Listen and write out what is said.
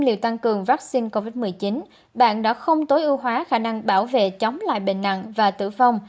liệu tăng cường vaccine covid một mươi chín bạn đã không tối ưu hóa khả năng bảo vệ chống lại bệnh nặng và tử vong